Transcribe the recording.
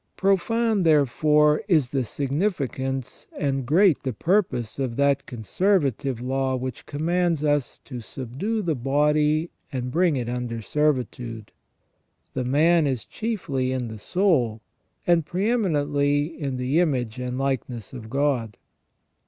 Profound, therefore, is the significance and great the purpose of that conservative law which commands us to subdue the body and bring it under servitude. The man is chiefly in the soul, and pre eminently in the image and likeness of God.